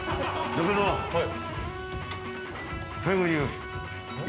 はい。